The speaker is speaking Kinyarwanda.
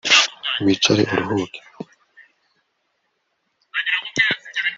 Wicare uruhuke